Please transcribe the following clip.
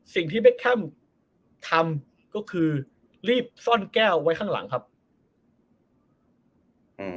เคเบคแคมทำก็คือรีบซ่อนแก้วไว้ข้างหลังครับอืม